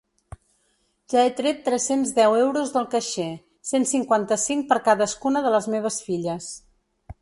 Ja he tret tres-cents deu euros del caixer, cent cinquanta-cinc per cadascuna de les meves filles.